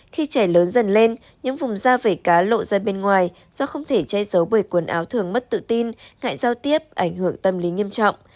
khi trẻ lớn dần lên những vùng da vẩy cá lộ ra bên ngoài do không thể che giấu bởi quần áo thường mất tự tin ngại giao tiếp ảnh hưởng tâm lý nghiêm trọng